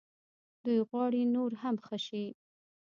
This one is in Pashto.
دوی غواړي نور هم ښه شي.